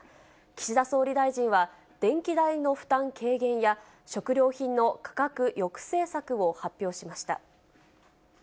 岸田総理大臣は、電気代の負担軽減や、食料品の価格抑制策を発表しました。